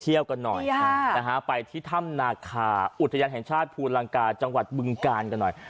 กันหน่อยไปที่ถ้ำนาคาอุทยานแห่งชาติภูลังกาจังหวัดบึงกาลกันหน่อย